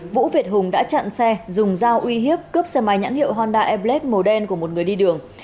vũ việt hùng đã chặn xe dùng dao uy hiếp cướp xe máy nhãn hiệu honda ebles màu đen của một người đi đường